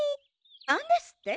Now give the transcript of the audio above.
なんですって！？